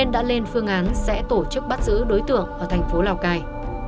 đã lên phương án sẽ tổ chức bắt giữ đối tượng ở thành phố lào cai